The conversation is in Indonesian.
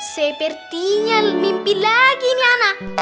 sepertinya mimpi lagi niana